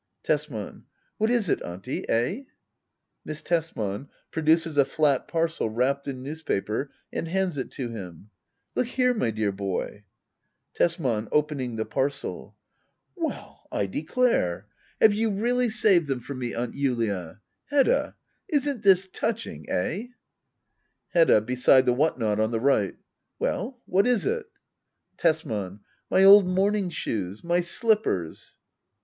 Tesman. What is it. Auntie ? Eh ? Miss Tesman. [Produces a fiat parcel wrapped in newspaper and hands it to him,] Look here, my dear boy. Tesman. [Opening the parcel,] Well, I declare I — Have you Digitized by Google ACT I.] HEDDA OABLER. 21 really saved them for me. Aunt Julia ! Hedda ! isn't this touching — eh ? Hedda, [Beside the whatnot on the right.] Well^ what is it? Tesman. My old morning shoes ! My slippers.